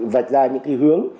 vạch ra những cái hướng